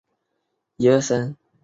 他也没有得到正弦定律。